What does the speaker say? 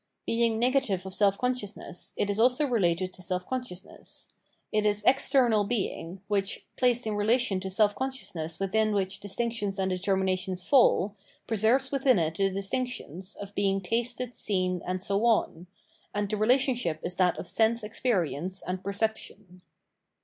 Being negative of self eonsciousness, it is also related to self consciousness. It is external being, which, placed in relation to self consciousness within which distinctions and determinations fall pre serv es within it the distinctions, of being tasted, seen, and so on ; and the relationship is that of sense experience and perception.